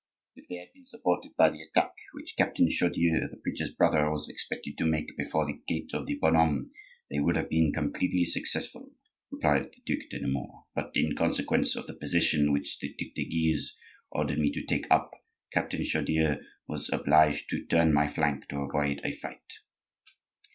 "If they had been supported by the attack which Captain Chaudieu, the preacher's brother, was expected to make before the gate of the Bon Hommes, they would have been completely successful," replied the Duc de Nemours. "But in consequence of the position which the Duc de Guise ordered me to take up, Captain Chaudieu was obliged to turn my flank to avoid a fight.